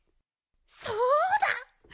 そうだ！